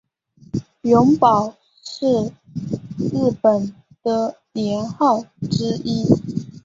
永保是日本的年号之一。